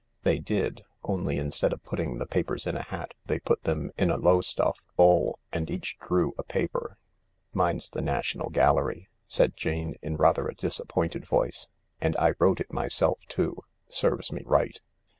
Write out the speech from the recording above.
They did — only instead of putting the papers in a hat they put them in a Lowestoft bowl, and each drew a paper. " Mine's the National Gallery," said Jane, in rather a disappointed voice ;" and I wrote it myself, too. Serves me right."